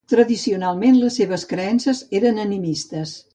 Tradicionalment les seves creences eren animistes.